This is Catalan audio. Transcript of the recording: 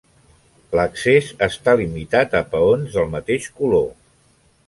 L'accés està limitat a peons del mateix color.